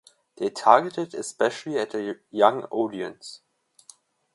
They targeted especially at a young audience.